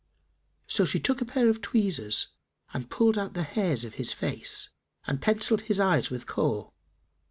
So she took a pair of tweezers and pulled out the hairs of his face and pencilled his eyes with Kohl.